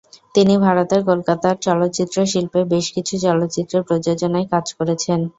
তিনি ভারতের কলকাতার চলচ্চিত্র শিল্পে বেশ কিছু চলচ্চিত্রের প্রযোজনায় কাজ করেছেন।